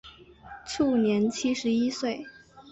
卒年七十一岁。